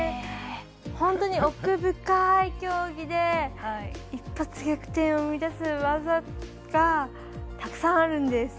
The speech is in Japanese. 本当に奥深い競技で一発逆転を生み出す技がたくさんあるんです。